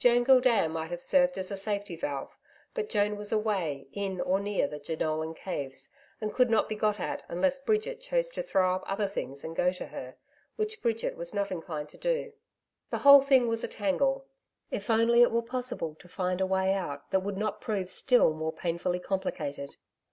Joan Gildea might have served as a safety valve, but Joan was away in or near the Jenolan Caves, and could not be got at unless Bridget chose to throw up other things and go to her, which Bridget was not inclined to do. The whole thing was a tangle. If only it were possible to find a way out that would not prove still more painfully complicated.